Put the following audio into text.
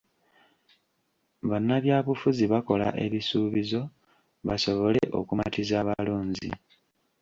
Bannabyabufuzi bakola ebisuubizo basobole okumatiza abalonzi.